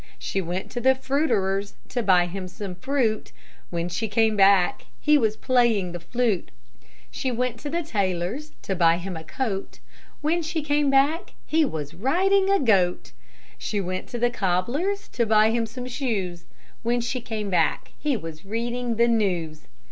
She went to the fruiterer's To buy him some fruit; When she came back He was playing the flute. She went to the tailor's To buy him a coat; When she came back He was riding a goat. She went to the cobbler's To buy him some shoes; When she came back He was reading the news.